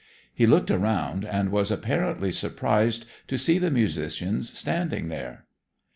He looked around, and was apparently surprised to see the musicians standing there.